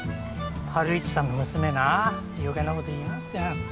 ハルイチさんの娘な余計なこと言いやがって。